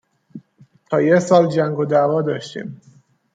تا یه سال جنگ و دعوا داشتیم